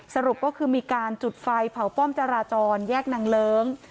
สรุปก็คือมีการจุดไฟเผาป้อมจราจรแยกนางเลิ้ง